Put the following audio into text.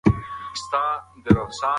په باغ کې ماشومان په پوره خوشحۍ لوبې کوي.